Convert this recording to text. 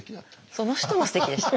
その人はすてきでした。